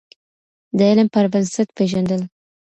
د علم پر بنسټ پیژندل.